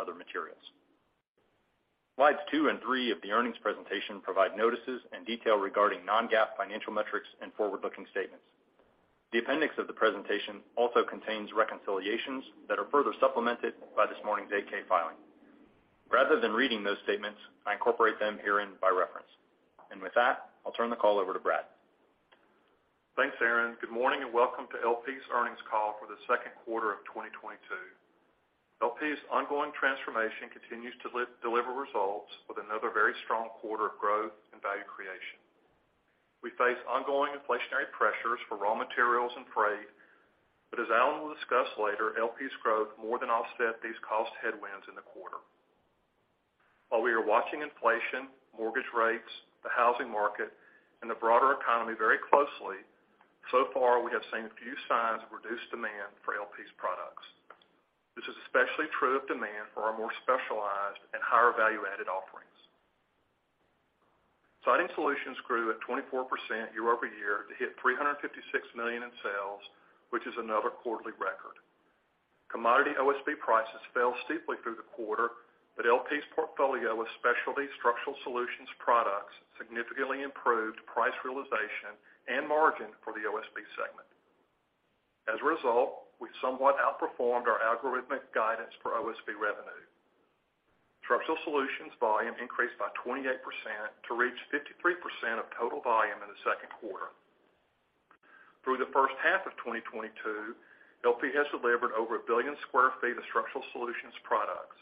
Other materials. Slides two and three of the earnings presentation provide notices and detail regarding non-GAAP financial metrics and forward-looking statements. The appendix of the presentation also contains reconciliations that are further supplemented by this morning's 8-K filing. Rather than reading those statements, I incorporate them herein by reference. With that, I'll turn the call over to Brad. Thanks, Aaron. Good morning, and welcome to LP's earnings call for the Q2 of 2022. LP's ongoing transformation continues to deliver results with another very strong quarter of growth and value creation. We face ongoing inflationary pressures for raw materials and freight, but as Alan will discuss later, LP's growth more than offset these cost headwinds in the quarter. While we are watching inflation, mortgage rates, the housing market, and the broader economy very closely, so far, we have seen few signs of reduced demand for LP's products. This is especially true of demand for our more specialized and higher value-added offerings. Siding Solutions grew at 24% year-over-year to hit $356 million in sales, which is another quarterly record. Commodity OSB prices fell steeply through the quarter, but LP's portfolio of specialty Structural Solutions products significantly improved price realization and margin for the OSB segment. As a result, we somewhat outperformed our algorithmic guidance for OSB revenue. Structural Solutions volume increased by 28% to reach 53% of total volume in the Q2. Through the H1 of 2022, LP has delivered over a billion sq ft of Structural Solutions products.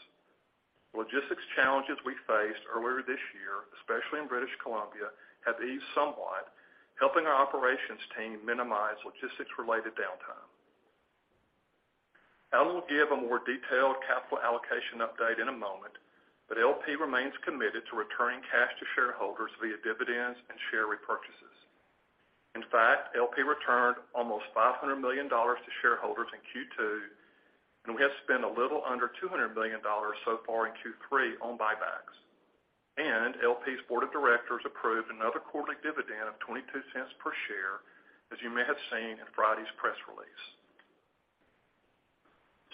Logistics challenges we faced earlier this year, especially in British Columbia, have eased somewhat, helping our operations team minimize logistics-related downtime. Alan will give a more detailed capital allocation update in a moment, but LP remains committed to returning cash to shareholders via dividends and share repurchases. In fact, LP returned almost $500 million to shareholders in Q2, and we have spent a little under $200 million so far in Q3 on buybacks. LP's board of directors approved another quarterly dividend of $0.22 per share, as you may have seen in Friday's press release.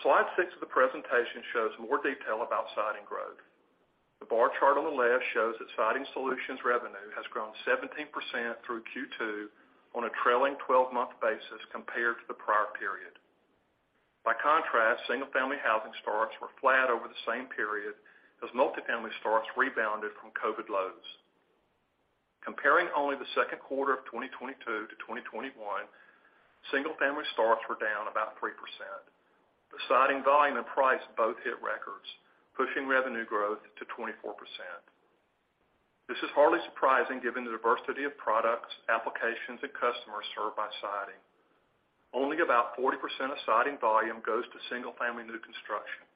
Slide six of the presentation shows more detail about Siding growth. The bar chart on the left shows that Siding Solutions revenue has grown 17% through Q2 on a trailing 12-month basis compared to the prior period. By contrast, single-family housing starts were flat over the same period as multifamily starts rebounded from COVID lows. Comparing only the Q2 of 2022 to 2021, single-family starts were down about 3%. The Siding volume and price both hit records, pushing revenue growth to 24%. This is hardly surprising given the diversity of products, applications, and customers served by Siding. Only about 40% of Siding volume goes to single-family new construction.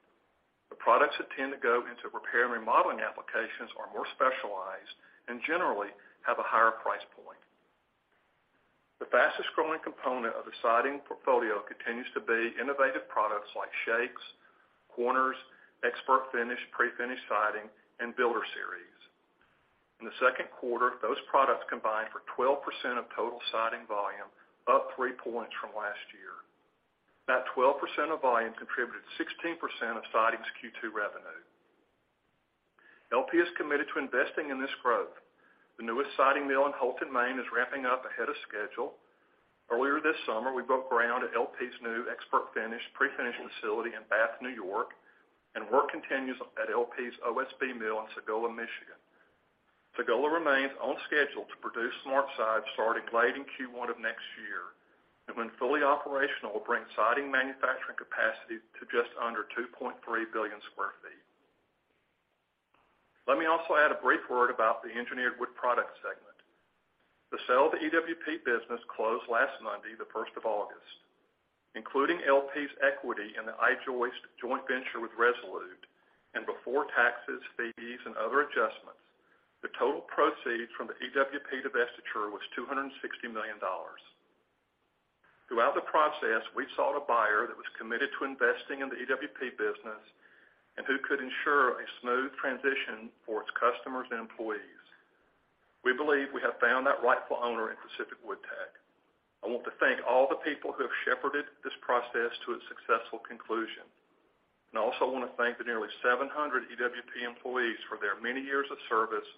The products that tend to go into repair and remodeling applications are more specialized and generally have a higher price point. The fastest-growing component of the Siding portfolio continues to be innovative products like shakes, corners, Expert Finish prefinished Siding, and Builder Series. In the Q2, those products combined for 12% of total Siding volume, up three points from last year. That 12% of volume contributed 16% of Siding's Q2 revenue. LP is committed to investing in this growth. The newest Siding mill in Houlton, Maine is ramping up ahead of schedule. Earlier this summer, we broke ground at LP's new Expert Finish prefinish facility in Bath, New York, and work continues at LP's OSB mill in Sagola, Michigan. Sagola remains on schedule to produce SmartSide starting late in Q1 of next year, and when fully operational, will bring Siding manufacturing capacity to just under 2.3 billion sq ft. Let me also add a brief word about the Engineered Wood Products segment. The sale of the EWP business closed last Monday, the first of August. Including LP's equity in the I-Joist joint venture with Resolute and before taxes, fees, and other adjustments, the total proceeds from the EWP divestiture was $260 million. Throughout the process, we sought a buyer that was committed to investing in the EWP business and who could ensure a smooth transition for its customers and employees. We believe we have found that rightful owner in Pacific Woodtech. I want to thank all the people who have shepherded this process to its successful conclusion. I also wanna thank the nearly 700 EWP employees for their many years of service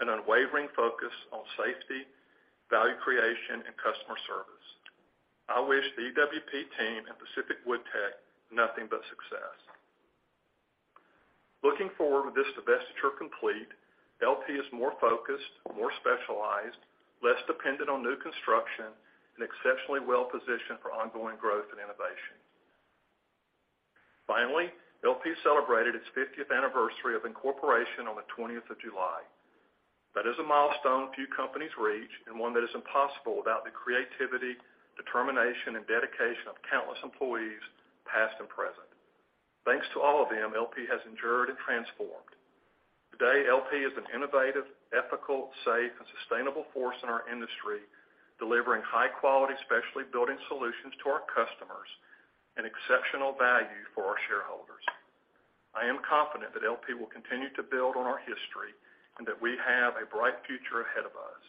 and unwavering focus on safety, value creation, and customer service. I wish the EWP team and Pacific Woodtech nothing but success. Looking forward with this divestiture complete, LP is more focused, more specialized, less dependent on new construction, and exceptionally well-positioned for ongoing growth and innovation. Finally, LP celebrated its 50th anniversary of incorporation on the July 20th. That is a milestone few companies reach and one that is impossible without the creativity, determination, and dedication of countless employees, past and present. Thanks to all of them, LP has endured and transformed. Today, LP is an innovative, ethical, safe, and sustainable force in our industry, delivering high-quality specialty building solutions to our customers and exceptional value for our shareholders. I am confident that LP will continue to build on our history and that we have a bright future ahead of us.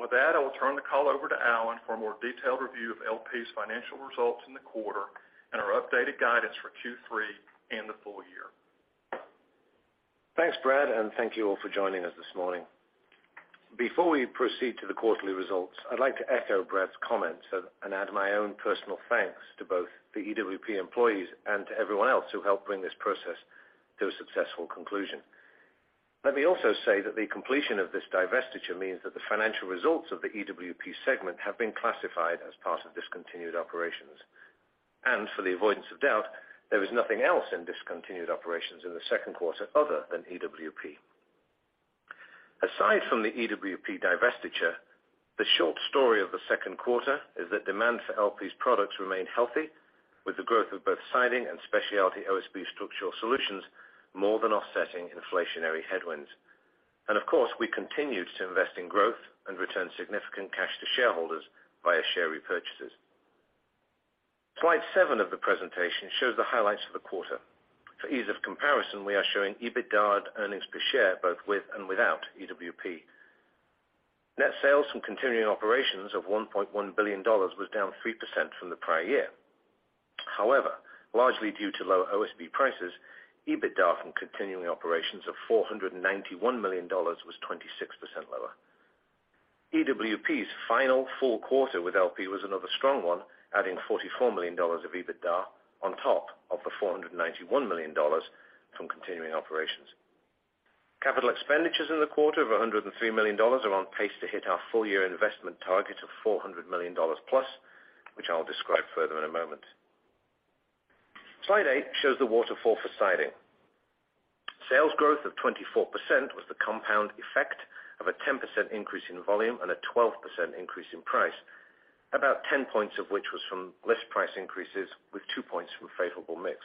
With that, I will turn the call over to Alan for a more detailed review of LP's financial results in the quarter and our updated guidance for Q3 and the full year. Thanks, Brad, and thank you all for joining us this morning. Before we proceed to the quarterly results, I'd like to echo Brad's comments and add my own personal thanks to both the EWP employees and to everyone else who helped bring this process to a successful conclusion. Let me also say that the completion of this divestiture means that the financial results of the EWP segment have been classified as part of discontinued operations. For the avoidance of doubt, there is nothing else in discontinued operations in the Q2 other than EWP. Aside from the EWP divestiture, the short story of the Q2 is that demand for LP's products remain healthy, with the growth of both Siding and Specialty OSB structural solutions more than offsetting inflationary headwinds. Of course, we continued to invest in growth and return significant cash to shareholders via share repurchases. Slide seven of the presentation shows the highlights for the quarter. For ease of comparison, we are showing EBITDA and earnings per share, both with and without EWP. Net sales from continuing operations of $1.1 billion was down 3% from the prior year. However, largely due to low OSB prices, EBITDA from continuing operations of $491 million was 26% lower. EWP's final full quarter with LP was another strong one, adding $44 million of EBITDA on top of the $491 million from continuing operations. Capital expenditures in the quarter of $103 million are on pace to hit our full-year investment target of $400 million plus, which I'll describe further in a moment. Slide eight shows the waterfall for Siding. Sales growth of 24% was the compound effect of a 10% increase in volume and a 12% increase in price. About 10 points of which was from list price increases, with two points from favorable mix.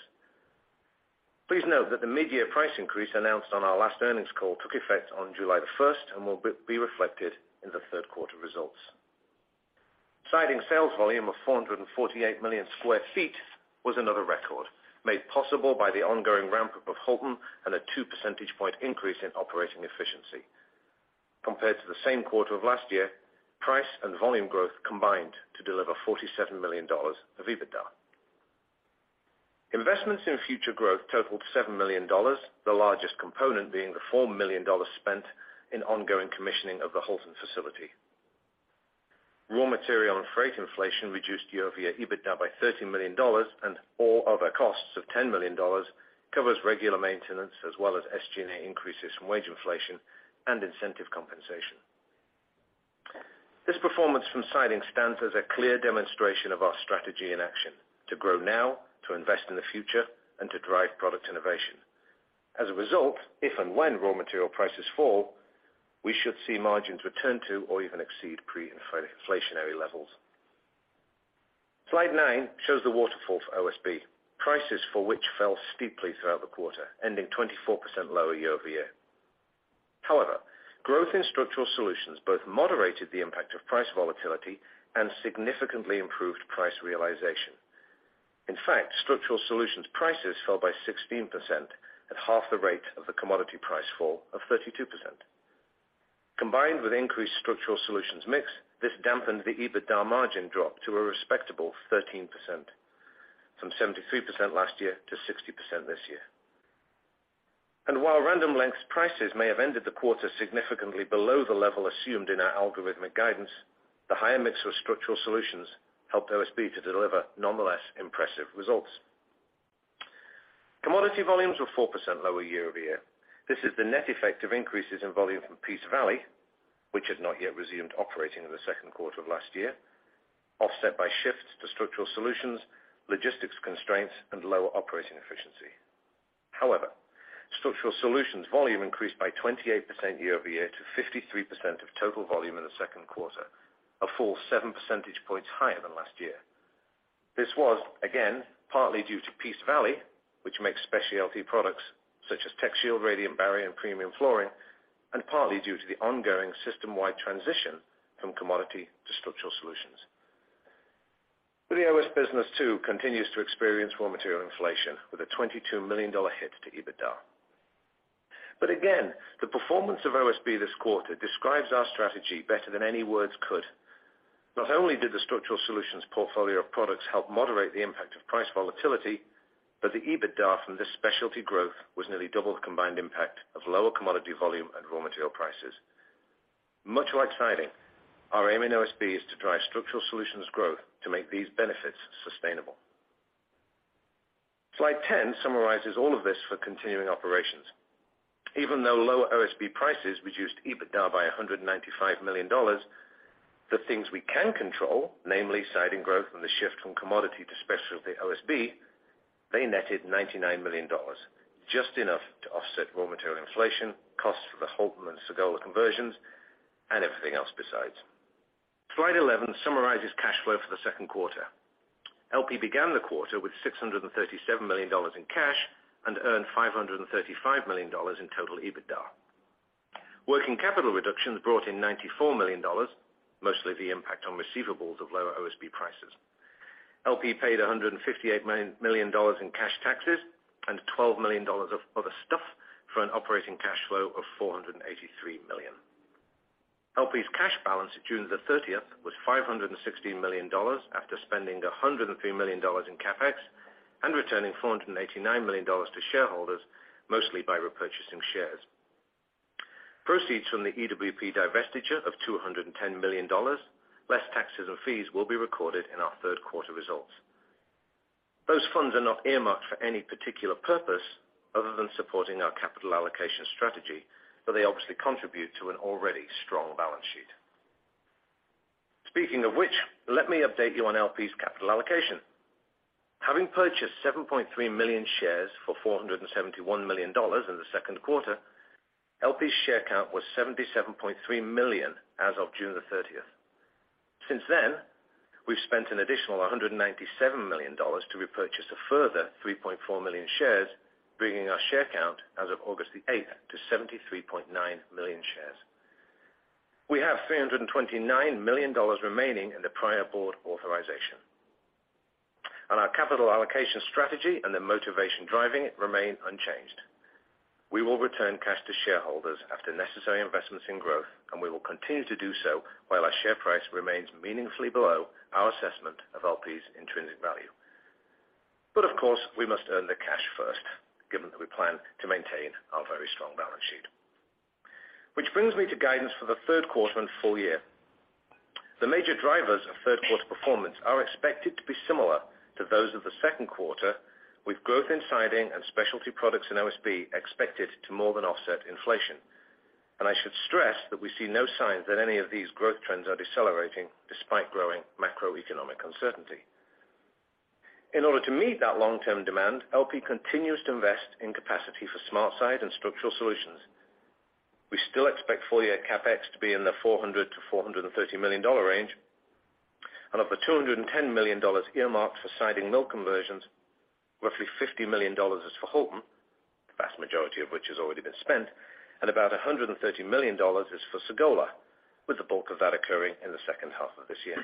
Please note that the mid-year price increase announced on our last earnings call took effect on July 1st and will be reflected in the Q3 results. Siding sales volume of 448 million sq ft was another record, made possible by the ongoing ramp-up of Houlton and a 2 percentage point increase in operating efficiency. Compared to the same quarter of last year, price and volume growth combined to deliver $47 million of EBITDA. Investments in future growth totaled $7 million, the largest component being the $4 million spent in ongoing commissioning of the Houlton facility. Raw material and freight inflation reduced year-over-year EBITDA by $13 million, and all other costs of $10 million covers regular maintenance as well as SG&A increases from wage inflation and incentive compensation. This performance from Siding stands as a clear demonstration of our strategy in action, to grow now, to invest in the future, and to drive product innovation. As a result, if and when raw material prices fall, we should see margins return to or even exceed pre-inflationary levels. Slide nine shows the waterfall for OSB, prices for which fell steeply throughout the quarter, ending 24% lower year-over-year. However, growth in Structural Solutions both moderated the impact of price volatility and significantly improved price realization. In fact, Structural Solutions prices fell by 16% at half the rate of the commodity price fall of 32%. Combined with increased Structural Solutions mix, this dampened the EBITDA margin drop to a respectable 13%, from 73% last year to 60% this year. While Random Lengths prices may have ended the quarter significantly below the level assumed in our algorithmic guidance, the higher mix of Structural Solutions helped OSB to deliver nonetheless impressive results. Commodity volumes were 4% lower year-over-year. This is the net effect of increases in volume from Peace Valley, which had not yet resumed operating in the Q2 of last year, offset by shifts to Structural Solutions, logistics constraints, and lower operating efficiency. However, Structural Solutions volume increased by 28% year-over-year to 53% of total volume in the Q2, a full 7 percentage points higher than last year. This was again partly due to Peace Valley, which makes specialty products such as TechShield radiant barrier and premium flooring, and partly due to the ongoing system-wide transition from commodity to Structural Solutions. The OSB business too continues to experience raw material inflation with a $22 million hit to EBITDA. Again, the performance of OSB this quarter describes our strategy better than any words could. Not only did the Structural Solutions portfolio of products help moderate the impact of price volatility, but the EBITDA from this specialty growth was nearly double the combined impact of lower commodity volume and raw material prices. Much like Siding, our aim in OSB is to drive Structural Solutions growth to make these benefits sustainable. Slide 10 summarizes all of this for continuing operations. Even though lower OSB prices reduced EBITDA by $195 million, the things we can control, namely Siding growth and the shift from commodity to specialty OSB, they netted $99 million, just enough to offset raw material inflation, costs for the Houlton and Sagola conversions, and everything else besides. Slide 11 summarizes cash flow for the Q2. LP began the quarter with $637 million in cash and earned $535 million in total EBITDA. Working capital reductions brought in $94 million, mostly the impact on receivables of lower OSB prices. LP paid $158 million in cash taxes and $12 million of other stuff for an operating cash flow of $483 million. LP's cash balance at June 30th was $560 million after spending $103 million in CapEx and returning $489 million to shareholders, mostly by repurchasing shares. Proceeds from the EWP divestiture of $210 million, less taxes and fees will be recorded in our Q3 results. Those funds are not earmarked for any particular purpose other than supporting our capital allocation strategy, but they obviously contribute to an already strong balance sheet. Speaking of which, let me update you on LP's capital allocation. Having purchased 7.3 million shares for $471 million in the Q2, LP's share count was 77.3 million as of June 30th. Since then, we've spent an additional $197 million to repurchase a further 3.4 million shares, bringing our share count as of August 8th to 73.9 million shares. We have $329 million remaining in the prior board authorization. Our capital allocation strategy and the motivation driving it remain unchanged. We will return cash to shareholders after necessary investments in growth, and we will continue to do so while our share price remains meaningfully below our assessment of LP's intrinsic value. Of course, we must earn the cash first, given that we plan to maintain our very strong balance sheet. Which brings me to guidance for the Q3 and full year. The major drivers of Q3 performance are expected to be similar to those of the Q2, with growth in Siding and specialty products in OSB expected to more than offset inflation. I should stress that we see no signs that any of these growth trends are decelerating despite growing macroeconomic uncertainty. In order to meet that long-term demand, LP continues to invest in capacity for SmartSide and Structural Solutions. We still expect full-year CapEx to be in the $400 million-$430 million range. Of the $210 million earmarked for Siding mill conversions, roughly $50 million is for Houlton, the vast majority of which has already been spent, and about $130 million is for Sagola, with the bulk of that occurring in the H2 of this year.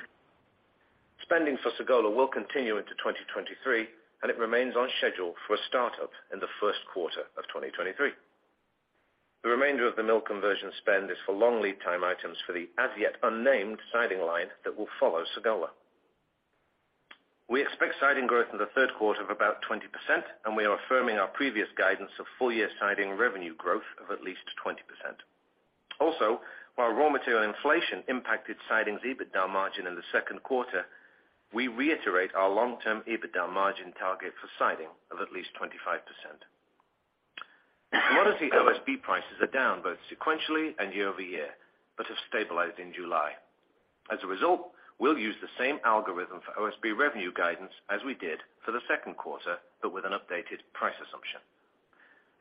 Spending for Sagola will continue into 2023, and it remains on schedule for a startup in the Q1 of 2023. The remainder of the mill conversion spend is for long lead time items for the as-yet-unnamed Siding line that will follow Sagola. We expect Siding growth in the Q3 of about 20%, and we are affirming our previous guidance of full year Siding revenue growth of at least 20%. Also, while raw material inflation impacted Siding's EBITDA margin in the Q2, we reiterate our long-term EBITDA margin target for Siding of at least 25%. Commodity OSB prices are down both sequentially and year over year, but have stabilized in July. As a result, we'll use the same algorithm for OSB revenue guidance as we did for the Q2, but with an updated price assumption.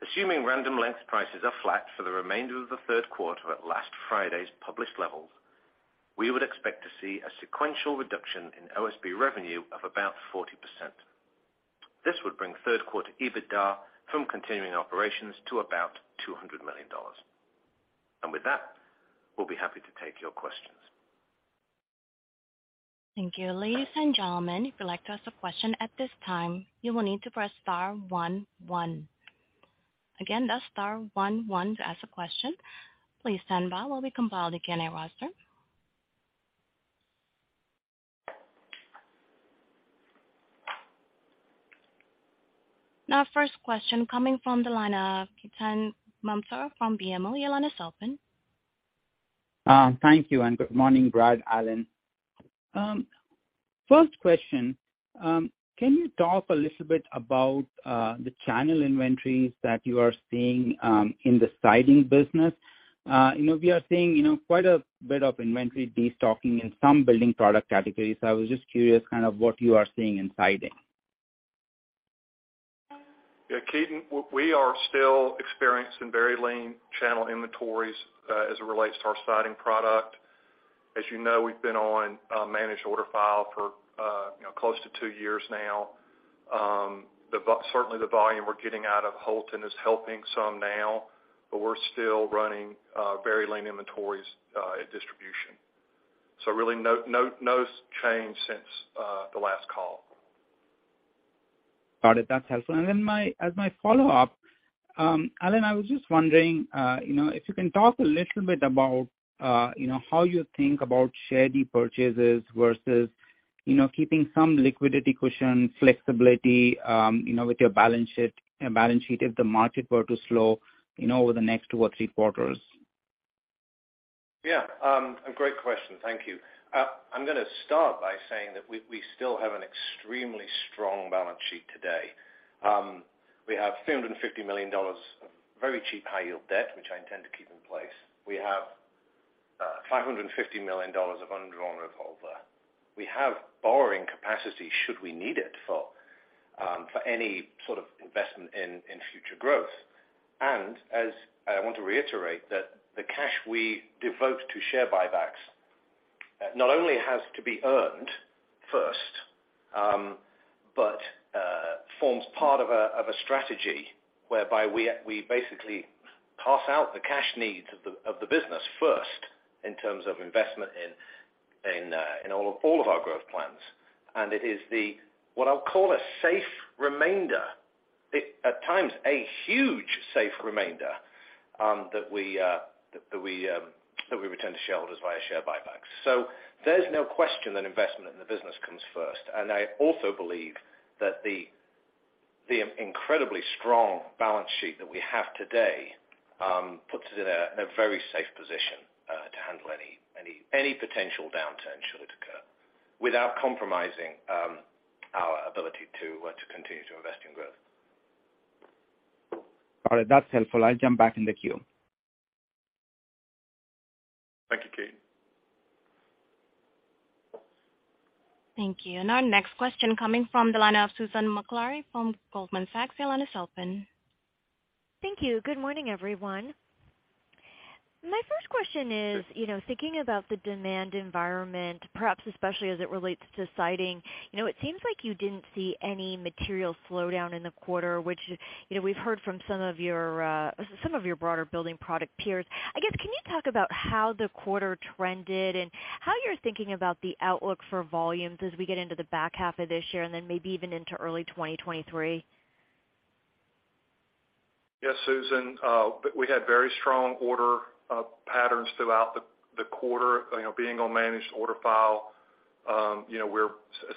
Assuming Random Lengths prices are flat for the remainder of the Q3 at last Friday's published levels, we would expect to see a sequential reduction in OSB revenue of about 40%. This would bring Q3 EBITDA from continuing operations to about $200 million. With that, we'll be happy to take your questions. Thank you. Ladies and gentlemen, if you'd like to ask a question at this time, you will need to press star one one. Again, that's star one one to ask a question. Please stand by while we compile the Q&A roster. Our first question coming from the line of Ketan Mamtora from BMO. Your line is open. Thank you, and good morning, Brad, Alan. First question, can you talk a little bit about the channel inventories that you are seeing in the Siding business? You know, we are seeing, you know, quite a bit of inventory destocking in some building product categories. I was just curious kind of what you are seeing in Siding. Yeah, Ketan, we are still experiencing very lean channel inventories as it relates to our Siding product. As you know, we've been on managed order file for you know, close to two years now. Certainly the volume we're getting out of Houlton is helping some now, but we're still running very lean inventories at distribution. Really, no change since the last call. Got it. That's helpful. As my follow-up, Alan, I was just wondering, you know, if you can talk a little bit about, you know, how you think about share repurchases versus, you know, keeping some liquidity cushion flexibility, you know, with your balance sheet if the market were to slow, you know, over the next two or three quarters. Yeah, a great question. Thank you. I'm gonna start by saying that we still have an extremely strong balance sheet today. We have $250 million of very cheap high-yield debt, which I intend to keep in place. We have $550 million of undrawn revolver. We have borrowing capacity should we need it for any sort of investment in future growth. I want to reiterate that the cash we devote to share buybacks not only has to be earned first, forms part of a strategy whereby we basically pass out the cash needs of the business first in terms of investment in all of our growth plans. It is what I'll call a safe remainder, at times a huge safe remainder, that we return to shareholders via share buybacks. There's no question that investment in the business comes first. I also believe that the incredibly strong balance sheet that we have today puts it in a very safe position to handle any potential downturn should it occur, without compromising our ability to continue to invest in growth. All right, that's helpful. I'll jump back in the queue. Thank you, Ketan. Thank you. Our next question coming from the line of Susan Maklari from Goldman Sachs. Your line is open. Thank you. Good morning, everyone. My first question is, you know, thinking about the demand environment, perhaps especially as it relates to Siding, you know, it seems like you didn't see any material slowdown in the quarter, which, you know, we've heard from some of your some of your broader building product peers. I guess, can you talk about how the quarter trended and how you're thinking about the outlook for volumes as we get into the back half of this year and then maybe even into early 2023? Yes, Susan, we had very strong order patterns throughout the quarter. You know, being on managed order file, you know, we're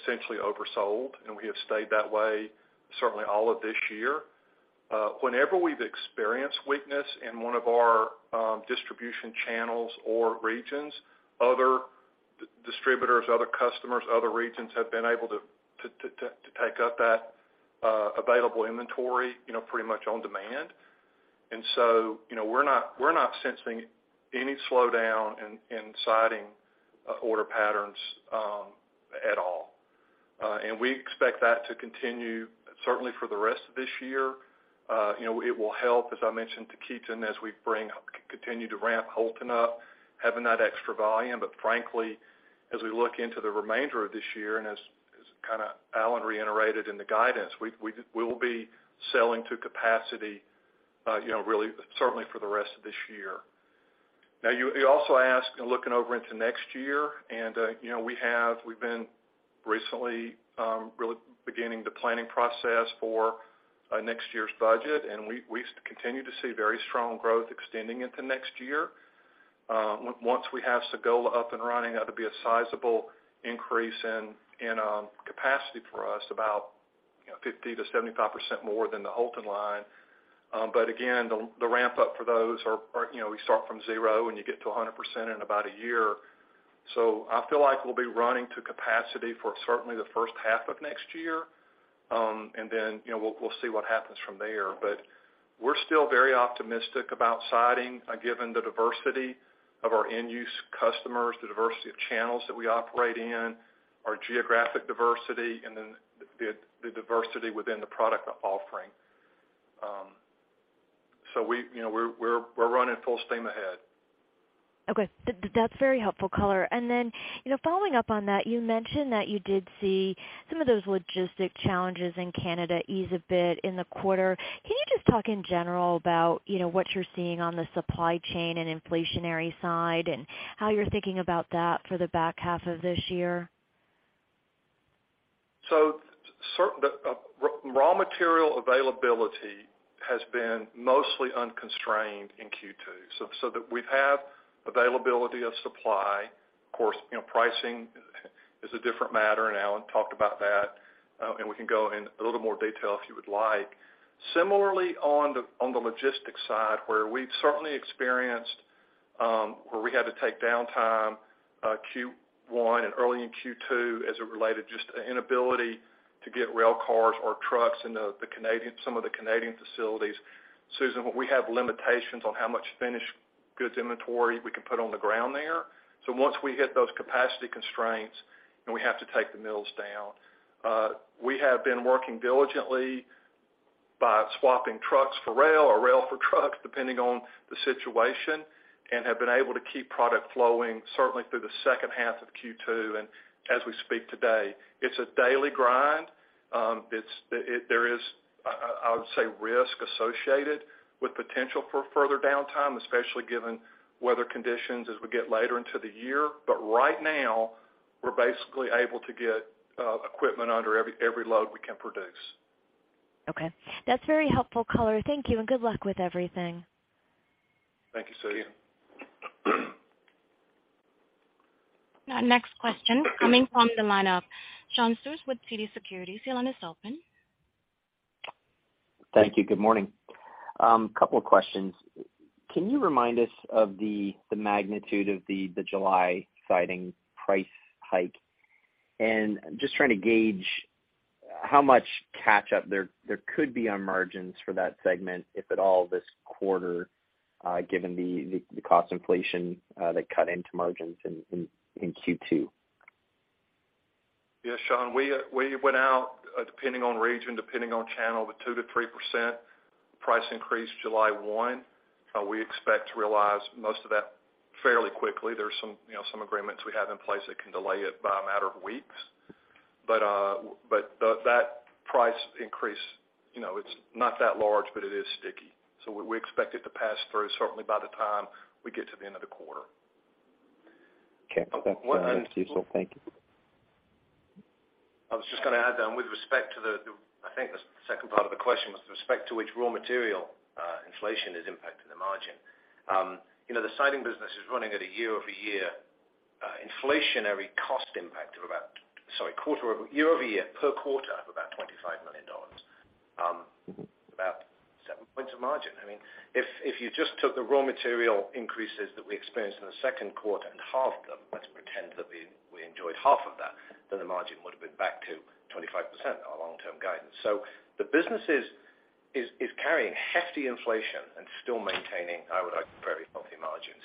essentially oversold, and we have stayed that way certainly all of this year. Whenever we've experienced weakness in one of our distribution channels or regions, other distributors, other customers, other regions have been able to take up that available inventory, you know, pretty much on demand. You know, we're not sensing any slowdown in Siding order patterns at all. We expect that to continue certainly for the rest of this year. You know, it will help, as I mentioned to Ketan, as we continue to ramp Houlton up, having that extra volume. Frankly, as we look into the remainder of this year, and as kind of Alan reiterated in the guidance, we will be selling to capacity, you know, really certainly for the rest of this year. Now, you also asked, looking over into next year, and you know, we've been recently really beginning the planning process for next year's budget, and we continue to see very strong growth extending into next year. Once we have Sagola up and running, that'll be a sizable increase in capacity for us, about you know 50%-75% more than the Houlton line. Again, the ramp up for those are you know, we start from zero, and you get to 100% in about a year. I feel like we'll be running to capacity for certainly the H1 of next year. You know, we'll see what happens from there. We're still very optimistic about Siding, given the diversity of our end-use customers, the diversity of channels that we operate in, our geographic diversity, and then the diversity within the product offering. You know, we're running full steam ahead. Okay. That's very helpful color. You know, following up on that, you mentioned that you did see some of those logistics challenges in Canada ease a bit in the quarter. Can you just talk in general about, you know, what you're seeing on the supply chain and inflationary side, and how you're thinking about that for the back half of this year? The raw material availability has been mostly unconstrained in Q2. We've had availability of supply. Of course, you know, pricing is a different matter, and Alan talked about that, and we can go in a little more detail if you would like. Similarly, on the logistics side, where we had to take downtime Q1 and early in Q2 as it related just to inability to get rail cars or trucks into some of the Canadian facilities. Susan, we have limitations on how much finished goods inventory we can put on the ground there. Once we hit those capacity constraints, then we have to take the mills down. We have been working diligently by swapping trucks for rail or rail for trucks, depending on the situation, and have been able to keep product flowing certainly through the H2 of Q2 and as we speak today. It's a daily grind. There is, I would say, risk associated with potential for further downtime, especially given weather conditions as we get later into the year. Right now, we're basically able to get equipment under every load we can produce. Okay. That's very helpful color. Thank you, and good luck with everything. Thank you, Susan. Our next question coming from the line of Sean Steuart with TD Securities. Your line is open. Thank you. Good morning. Couple of questions. Can you remind us of the magnitude of the July Siding price hike? Just trying to gauge how much catch-up there could be on margins for that segment, if at all this quarter, given the cost inflation that cut into margins in Q2. Yes, Sean, we went out, depending on region, depending on channel, with a 2%-3% price increase July 1. We expect to realize most of that fairly quickly. There's some, you know, agreements we have in place that can delay it by a matter of weeks. But that price increase, you know, it's not that large, but it is sticky. We expect it to pass through certainly by the time we get to the end of the quarter. Okay. Well, that's useful. Thank you. I was just gonna add that with respect to the second part of the question was with respect to which raw material inflation is impacting the margin. You know, the Siding business is running at a year-over-year inflationary cost impact of about $25 million per quarter, about seven points of margin. I mean, if you just took the raw material increases that we experienced in the Q2 and halved them, let's pretend that we enjoyed half of that, then the margin would've been back to 25%, our long-term guidance. The business is carrying hefty inflation and still maintaining, I would argue, very healthy margins.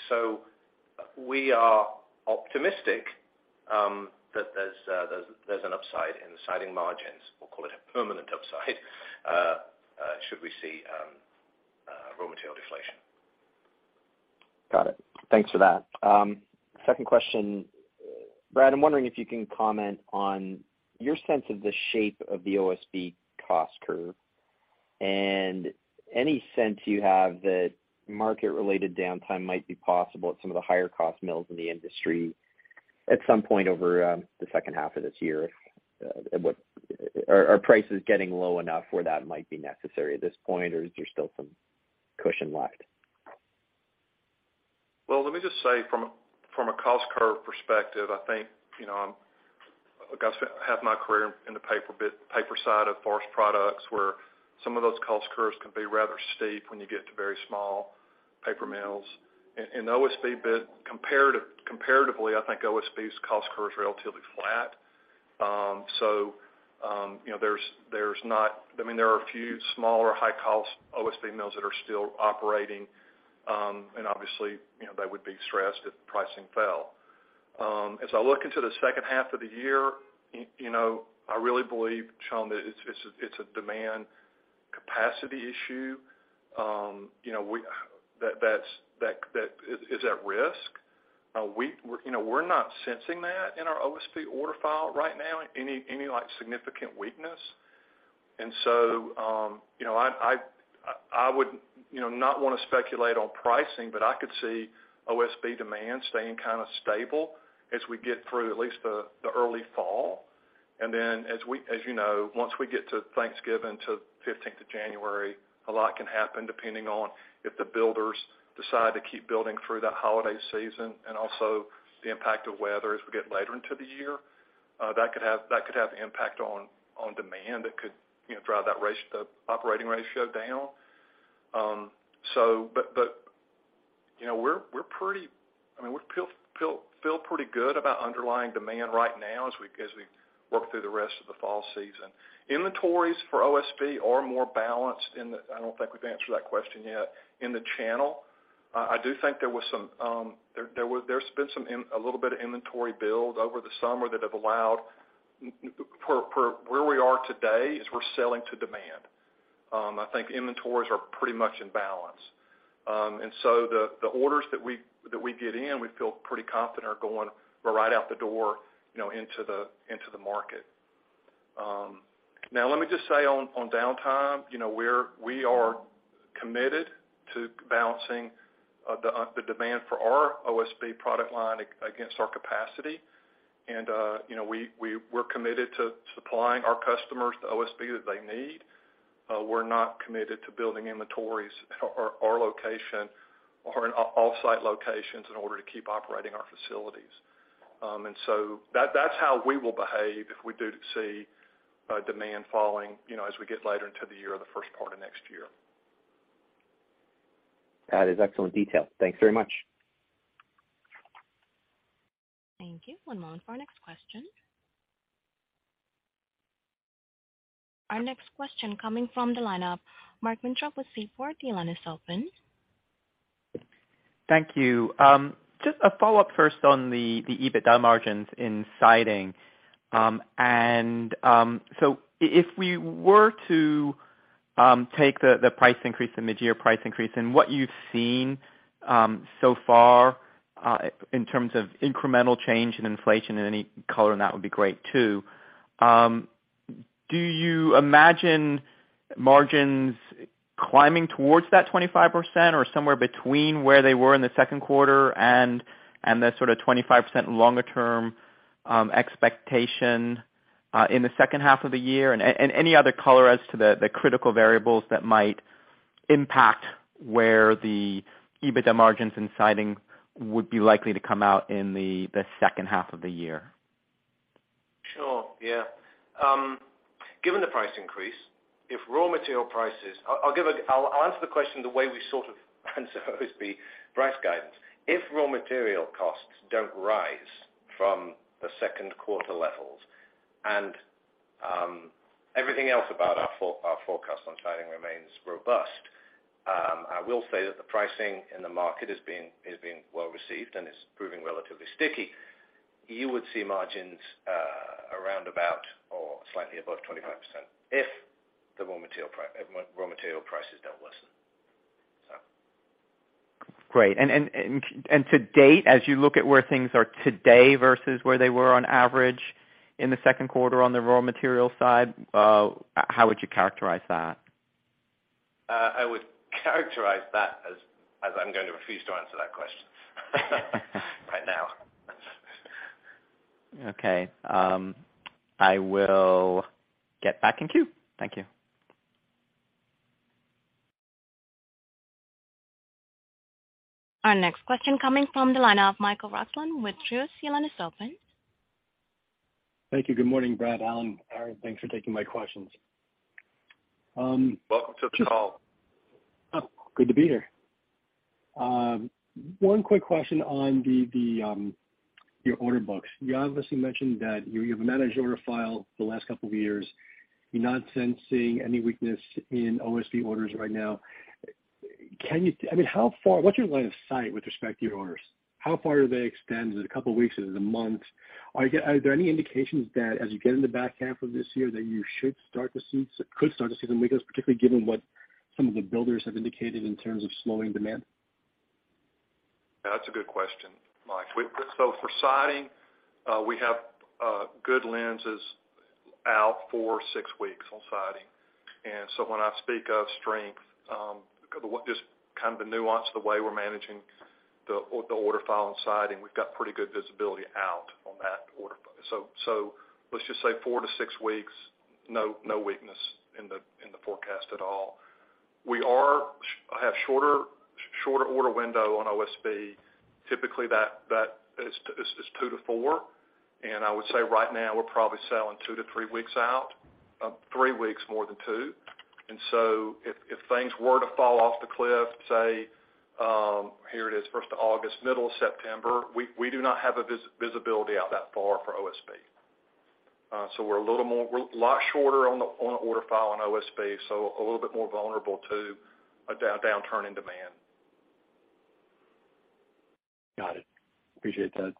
We are optimistic that there's an upside in the Siding margins. We'll call it a permanent upside, should we see raw material deflation. Got it. Thanks for that. Second question. Brad, I'm wondering if you can comment on your sense of the shape of the OSB cost curve and any sense you have that market-related downtime might be possible at some of the higher cost mills in the industry at some point over the H2 of this year. Are prices getting low enough where that might be necessary at this point, or is there still some cushion left? Well, let me just say from a cost curve perspective, I think, you know, look, I've spent half my career in the paper side of forest products, where some of those cost curves can be rather steep when you get to very small paper mills. In OSB, but comparatively, I think OSB's cost curve is relatively flat. So, you know, there's not. I mean, there are a few smaller high-cost OSB mills that are still operating, and obviously, you know, they would be stressed if pricing fell. As I look into the H2 of the year, you know, I really believe, Sean, that it's a demand capacity issue, you know, that is at risk. We, you know, we're not sensing that in our OSB order file right now, any like significant weakness. You know, I would not wanna speculate on pricing, but I could see OSB demand staying kinda stable as we get through at least the early fall. As you know, once we get to Thanksgiving to January 15th, a lot can happen depending on if the builders decide to keep building through that holiday season and also the impact of weather as we get later into the year. That could have impact on demand. It could, you know, drive that the operating ratio down. But, you know, we're pretty. I mean, we feel pretty good about underlying demand right now as we work through the rest of the fall season. Inventories for OSB are more balanced in the channel. I don't think we've answered that question yet. I do think there was a little bit of inventory build over the summer that have allowed for where we are today, is we're selling to demand. I think inventories are pretty much in balance. The orders that we get in, we feel pretty confident are going right out the door, you know, into the market. Now let me just say on downtime, you know, we are committed to balancing the demand for our OSB product line against our capacity. You know, we're committed to supplying our customers the OSB that they need. We're not committed to building inventories at our location or in off-site locations in order to keep operating our facilities. That's how we will behave if we do see demand falling, you know, as we get later into the year or the first part of next year. That is excellent detail. Thanks very much. Thank you. One moment for our next question. Our next question coming from the line of Mark Weintraub with Seaport. The line is open. Thank you. Just a follow-up first on the EBITDA margins in Siding. If we were to take the price increase, the mid-year price increase, and what you've seen so far in terms of incremental change in inflation, and any color on that would be great too, do you imagine margins climbing towards that 25% or somewhere between where they were in the Q2 and the sort of 25% longer term expectation in the H2 of the year? Any other color as to the critical variables that might impact where the EBITDA margins in Siding would be likely to come out in the H2 of the year. Sure. Yeah. Given the price increase, if raw material prices, I'll answer the question the way we sort of answer OSB price guidance. If raw material costs don't rise from the Q2 levels, and everything else about our forecast on Siding remains robust, I will say that the pricing in the market is being well received and sticky. You would see margins around about or slightly above 25% if the raw material prices don't worsen. Great. To date, as you look at where things are today versus where they were on average in the Q2 on the raw material side, how would you characterize that? I would characterize that as, I'm going to refuse to answer that question right now. Okay. I will get back in queue. Thank you. Our next question coming from the line of Michael Roxland with Truist Securities. Your line is open. Thank you. Good morning, Brad, Alan, Aaron. Thanks for taking my questions. Welcome to the call. Oh, good to be here. One quick question on the your order books. You obviously mentioned that you have managed order file the last couple of years. You're not sensing any weakness in OSB orders right now. Can you? I mean, what's your line of sight with respect to your orders? How far do they extend? Is it a couple of weeks? Is it a month? Are there any indications that as you get in the back half of this year, that you could start to see some weakness, particularly given what some of the builders have indicated in terms of slowing demand? That's a good question, Mike. So for Siding, we have good lead times out for six weeks on Siding. When I speak of strength, just kind of the nuance, the way we're managing the order file on Siding, we've got pretty good visibility out on that order. So let's just say four-six weeks, no weakness in the forecast at all. We have shorter order window on OSB. Typically, that is two-four. I would say right now we're probably selling two-three weeks out, three weeks more than two. If things were to fall off the cliff, say, here it is, first of August, middle of September, we do not have visibility out that far for OSB. We're a lot shorter on the order file on OSB, so a little bit more vulnerable to a downturn in demand. Got it. Appreciate that,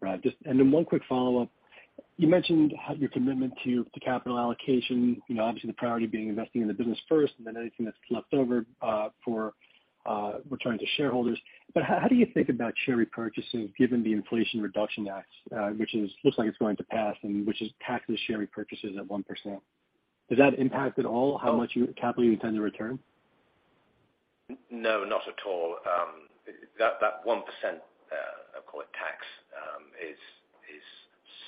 Brad. One quick follow-up. You mentioned your commitment to the capital allocation, you know, obviously the priority being investing in the business first and then anything that's left over, for returns to shareholders. How do you think about share repurchases given the Inflation Reduction Act, which looks like it's going to pass and which taxes share repurchases at 1%? Does that impact at all how much capital you intend to return? No, not at all. That 1%, call it tax, is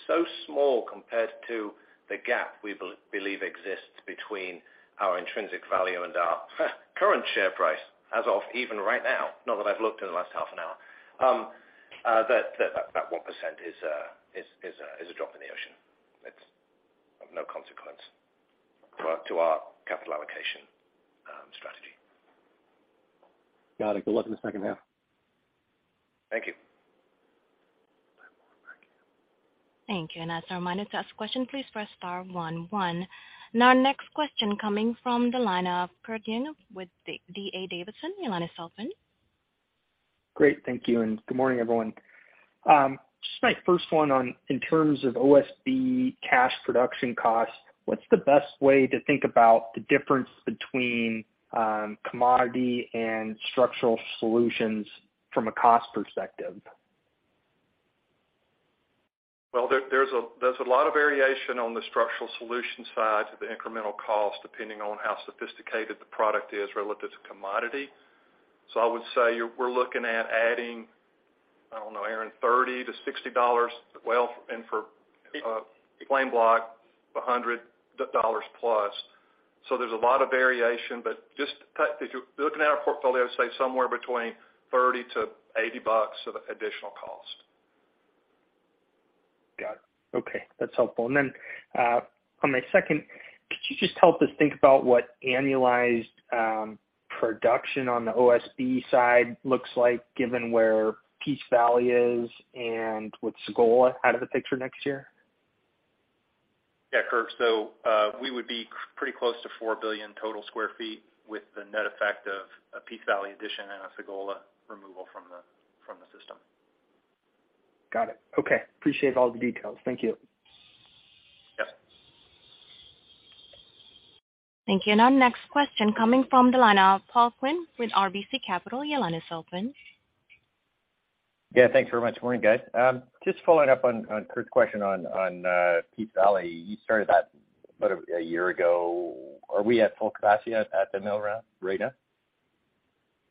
so small compared to the gap we believe exists between our intrinsic value and our current share price as of even right now, not that I've looked in the last half an hour. That 1% is a drop in the ocean. It's of no consequence to our capital allocation strategy. Got it. Good luck in the H2. Thank you. Thank you. As a reminder, to ask a question, please press star one one. Our next question coming from the line of Kurt Yinger with D.A. Davidson. Your line is open. Great. Thank you, and good morning, everyone. Just my first question on, in terms of OSB cash production costs, what's the best way to think about the difference between commodity and Structural Solutions from a cost perspective? Well, there's a lot of variation on the Structural Solutions side to the incremental cost depending on how sophisticated the product is relative to commodity. I would say we're looking at adding, I don't know, Aaron, $30-$60. Well, for FlameBlock, $100+. There's a lot of variation. Just if you're looking at our portfolio, say somewhere between $30-$80 of additional cost. Got it. Okay, that's helpful. On my second, could you just help us think about what annualized production on the OSB side looks like given where Peace Valley is and with Sagola out of the picture next year? Yeah, Kirk. We would be pretty close to four billion sq ft with the net effect of a Peace Valley addition and a Sagola removal from the system. Got it. Okay. Appreciate all the details. Thank you. Yep. Thank you. Our next question coming from the line of Paul Quinn with RBC Capital. Your line is open. Yeah, thanks very much. Morning, guys. Just following up on Kurt's question on Peace Valley. You started that about a year ago. Are we at full capacity at the mill right now?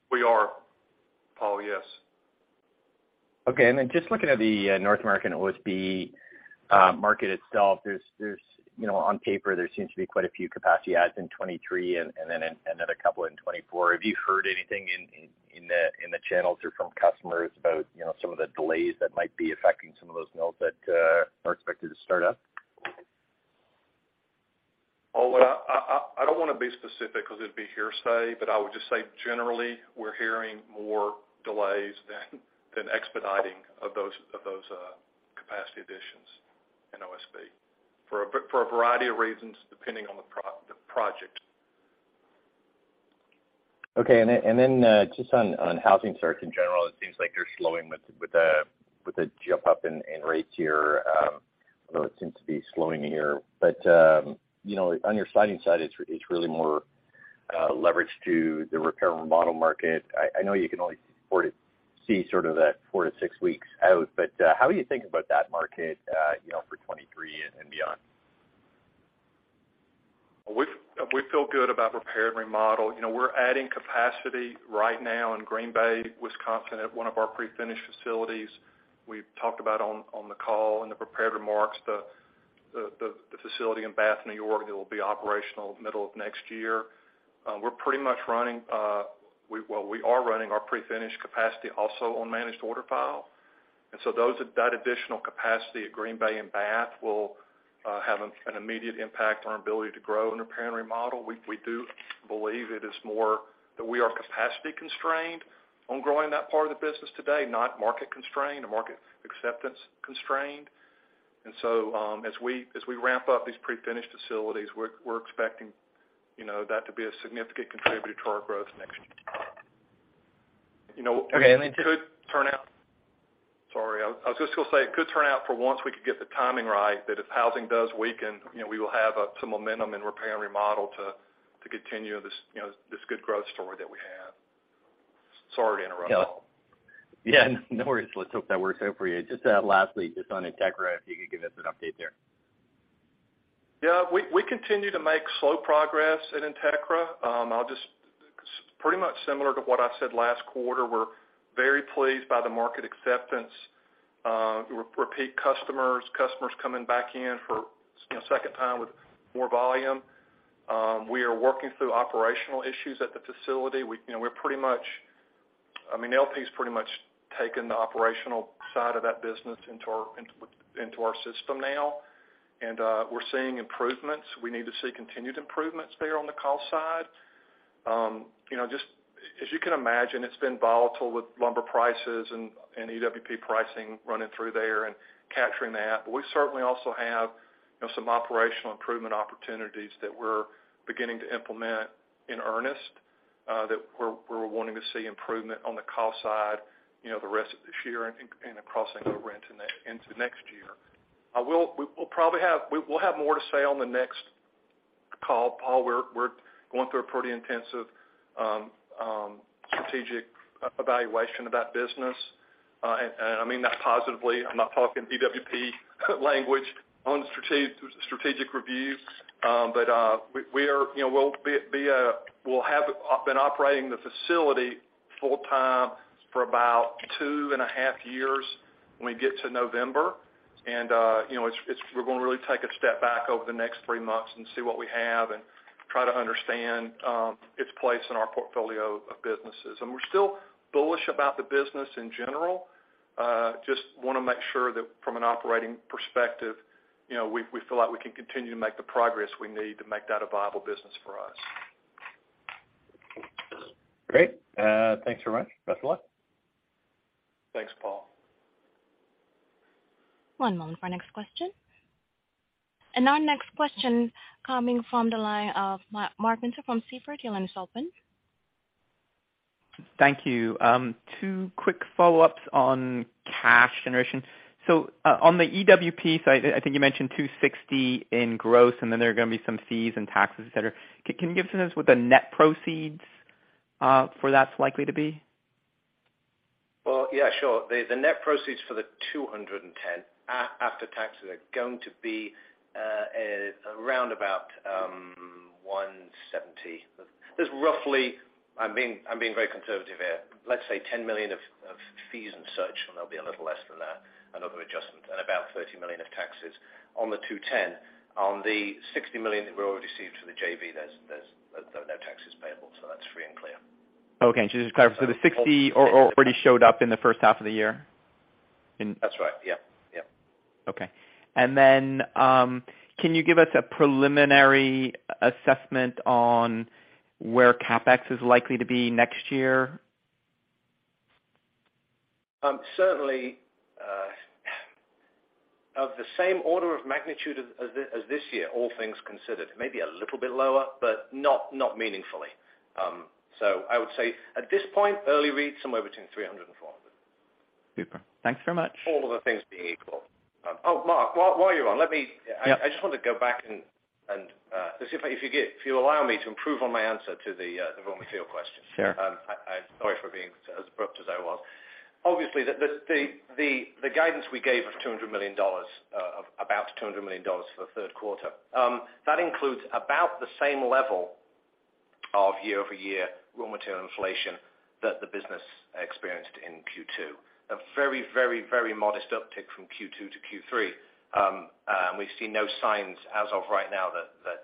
We are, Paul. Yes. Okay. Just looking at the North American OSB market itself, there's you know, on paper, there seems to be quite a few capacity adds in 2023 and then another couple in 2024. Have you heard anything in the channels or from customers about you know, some of the delays that might be affecting some of those mills that are expected to start up? Paul, I don't wanna be specific because it'd be hearsay, but I would just say, generally, we're hearing more delays than expediting of those capacity additions in OSB for a variety of reasons, depending on the project. Okay. Then just on housing starts in general, it seems like you're slowing with the jump up in rates here. Although it seems to be slowing here. You know, on your Siding side, it's really more leveraged to the repair and remodel market. I know you can only afford to see sort of that four-six weeks out, but how are you thinking about that market, you know, for 2023 and beyond? We feel good about repair and remodel. You know, we're adding capacity right now in Green Bay, Wisconsin, at one of our prefinished facilities. We talked about, on the call in the prepared remarks, the facility in Bath, New York, that will be operational middle of next year. Well, we are running our prefinished capacity also on managed order file. That additional capacity at Green Bay and Bath will have an immediate impact on our ability to grow in repair and remodel. We do believe it is more that we are capacity constrained on growing that part of the business today, not market constrained or market acceptance constrained. As we ramp up these prefinished facilities, we're expecting, you know, that to be a significant contributor to our growth next year. You know. Okay. Sorry, I was just gonna say it could turn out for once we could get the timing right, that if housing does weaken, you know, we will have some momentum in repair and remodel to continue this, you know, this good growth story that we have. Sorry to interrupt, Paul. Yeah, no worries. Let's hope that works out for you. Just, lastly, just on Entekra, if you could give us an update there. Yeah. We continue to make slow progress at Entekra. I'll just pretty much similar to what I said last quarter. We're very pleased by the market acceptance, repeat customers coming back in for, you know, second time with more volume. We are working through operational issues at the facility. You know, we're pretty much. I mean, LP's pretty much taken the operational side of that business into our system now, and we're seeing improvements. We need to see continued improvements there on the cost side. You know, just as you can imagine, it's been volatile with lumber prices and EWP pricing running through there and capturing that. We certainly also have, you know, some operational improvement opportunities that we're beginning to implement in earnest, that we're wanting to see improvement on the cost side, you know, the rest of this year and across into next year. We'll probably have more to say on the next call, Paul. We're going through a pretty intensive strategic evaluation of that business. I mean that positively. I'm not talking EWP language on strategic reviews. We'll have been operating the facility full time for about 2.5 years when we get to November. We're gonna really take a step back over the next three months and see what we have and try to understand its place in our portfolio of businesses. We're still bullish about the business in general. Just wanna make sure that from an operating perspective, you know, we feel like we can continue to make the progress we need to make that a viable business for us. Great. Thanks very much. Best of luck. Thanks, Paul. One moment for our next question. Our next question coming from the line of Mark Weintraub from Seaport. Your line is open. Thank you. Two quick follow-ups on cash generation. On the EWP side, I think you mentioned $260 in gross, and then there are gonna be some fees and taxes, et cetera. Can you give a sense what the net proceeds for that's likely to be? Well, yeah, sure. The net proceeds for the 210 after taxes are going to be around about 170. There's roughly, I'm being very conservative here, let's say $10 million of fees and such, and there'll be a little less than that, another adjustment, and about $30 million of taxes on the 210. On the $60 million that we already received for the JV, there's no taxes payable, so that's free and clear. Okay. Just to clarify, so the 60 already showed up in the H1 of the year? That's right. Yeah. Yeah. Okay. Can you give us a preliminary assessment on where CapEx is likely to be next year? Certainly, of the same order of magnitude as this year, all things considered. Maybe a little bit lower, but not meaningfully. I would say at this point, early read, somewhere between 300 and 400. Super. Thanks very much. All other things being equal. Oh, Mark, while you're on, let me- Yeah. I just want to go back and to see if you allow me to improve on my answer to the raw material question. Sure. I'm sorry for being as abrupt as I was. Obviously, the guidance we gave of $200 million, of about $200 million for the Q3, that includes about the same level of year-over-year raw material inflation that the business experienced in Q2. A very modest uptick from Q2 to Q3. We see no signs as of right now that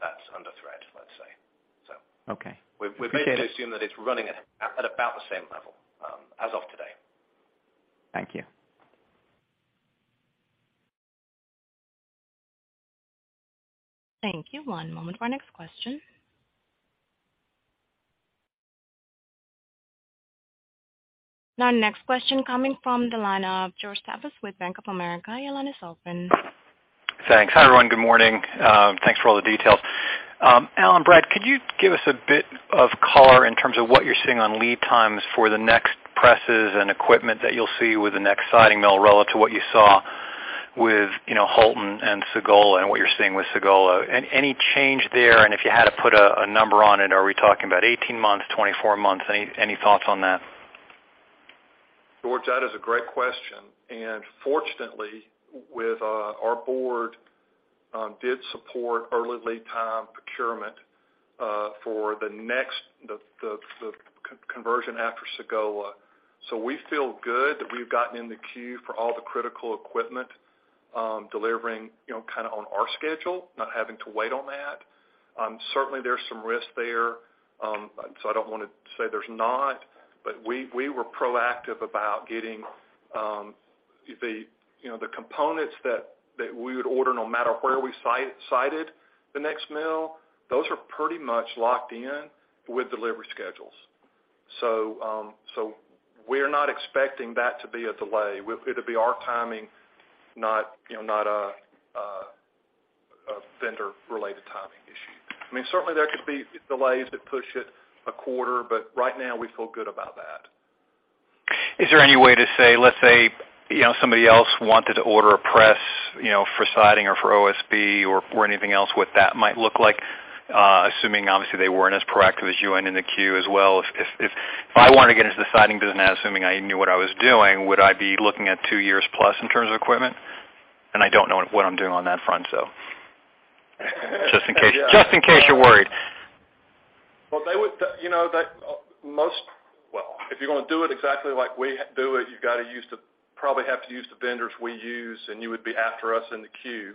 that's under threat, let's say. Okay. We're basically assume that it's running at about the same level as of today. Thank you. Thank you. One moment for our next question. Now next question coming from the line of George Staphos with Bank of America. Your line is open. Thanks. Hi, everyone. Good morning. Thanks for all the details. Alan, Brad, could you give us a bit of color in terms of what you're seeing on lead times for the next presses and equipment that you'll see with the next Siding mill relative to what you saw with, you know, Houlton and Sagola and what you're seeing with Sagola. Any change there? And if you had to put a number on it, are we talking about 18 months, 24 months? Any thoughts on that? George, that is a great question. Fortunately, with our board did support early lead time procurement for the next conversion after Sagola. We feel good that we've gotten in the queue for all the critical equipment, delivering, you know, kinda on our schedule, not having to wait on that. Certainly there's some risk there, I don't wanna say there's not. We were proactive about getting the, you know, the components that we would order no matter where we sited the next mill, those are pretty much locked in with delivery schedules. We're not expecting that to be a delay. It'll be our timing, not, you know, not a vendor-related timing issue. I mean, certainly there could be delays that push it a quarter, but right now we feel good about that. Is there any way to say, let's say, you know, somebody else wanted to order a press, you know, for Siding or for OSB or anything else, what that might look like? Assuming obviously they weren't as proactive as you in the queue as well. If I wanted to get into the Siding business, assuming I knew what I was doing, would I be looking at 2 years plus in terms of equipment? I don't know what I'm doing on that front, so just in case you're worried. Well, they would, you know. If you're gonna do it exactly like we do it, you gotta use the vendors we use, and you would be after us in the queue,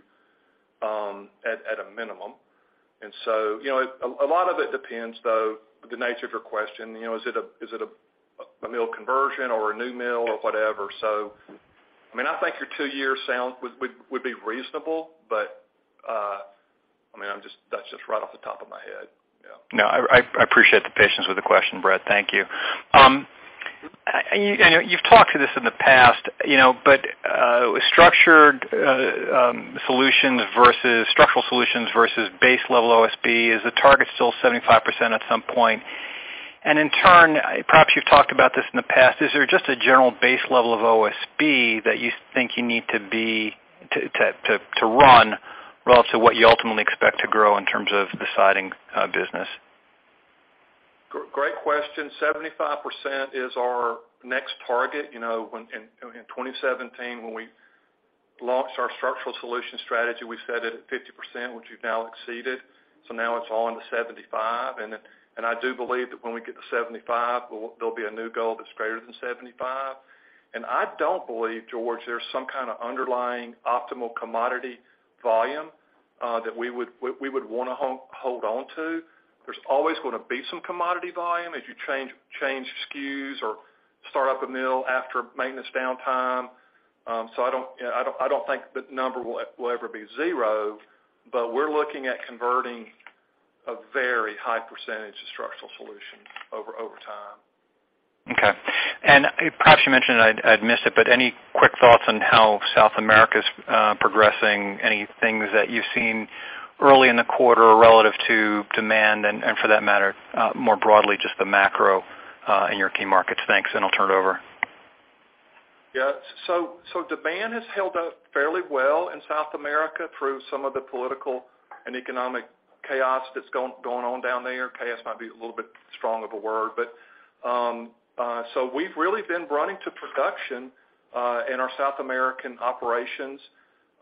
at a minimum. You know, a lot of it depends though, the nature of your question. You know, is it a mill conversion or a new mill or whatever? I mean, I think your two years sound would be reasonable, but I mean, that's just right off the top of my head. Yeah. No, I appreciate the patience with the question, Brad. Thank you. And you've talked to this in the past, you know, but Structural Solutions versus structural solutions versus base level OSB, is the target still 75% at some point? In turn, perhaps you've talked about this in the past, is there just a general base level of OSB that you think you need to be to run relative to what you ultimately expect to grow in terms of the Siding business? Great question. 75% is our next target. You know, when in 2017, when we launched our Structural Solutions strategy, we set it at 50%, which we've now exceeded. Now it's on to 75. I do believe that when we get to 75, there'll be a new goal that's greater than 75. I don't believe, George, there's some kinda underlying optimal commodity volume that we would wanna hold on to. There's always gonna be some commodity volume as you change SKUs or start up a mill after maintenance downtime. So I don't, you know, I don't think the number will ever be 0, but we're looking at converting a very high percentage of Structural Solutions over time. Okay. Perhaps you mentioned it, I missed it, but any quick thoughts on how South America's progressing? Anything that you've seen early in the quarter relative to demand and for that matter, more broadly, just the macro in your key markets? Thanks, and I'll turn it over. Yeah. Demand has held up fairly well in South America through some of the political and economic chaos that's going on down there. Chaos might be a little bit strong of a word, but we've really been running to production in our South American operations.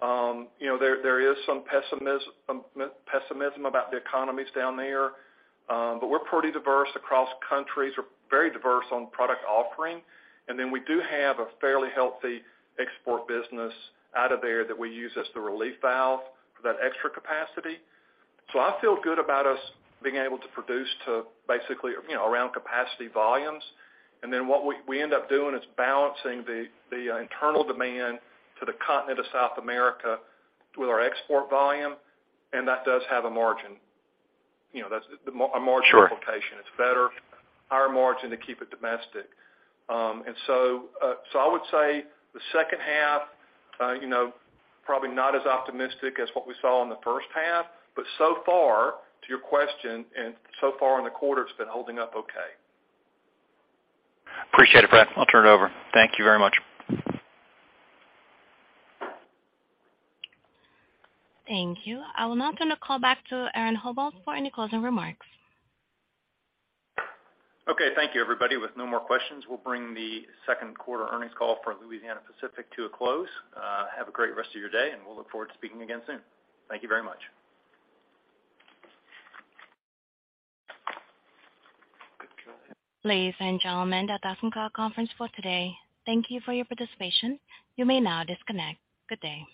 You know, there is some pessimism about the economies down there, but we're pretty diverse across countries. We're very diverse on product offering. We do have a fairly healthy export business out of there that we use as the relief valve for that extra capacity. I feel good about us being able to produce to basically, you know, around capacity volumes. What we end up doing is balancing the internal demand to the continent of South America with our export volume, and that does have a margin. You know, that's the. Sure. A margin implication. It's better, higher margin to keep it domestic. I would say the H2, you know, probably not as optimistic as what we saw in the H1. So far, to your question, and so far in the quarter, it's been holding up okay. Appreciate it, Brad. I'll turn it over. Thank you very much. Thank you. I will now turn the call back to Aaron Howald for any closing remarks. Okay. Thank you, everybody. With no more questions, we'll bring the Q2 earnings call for Louisiana-Pacific to a close. Have a great rest of your day, and we'll look forward to speaking again soon. Thank you very much. Ladies and gentlemen, that does end our conference for today. Thank you for your participation. You may now disconnect. Good day.